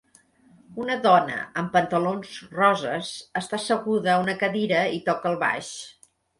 Una dona amb pantalons roses està asseguda a una cadira i toca el baix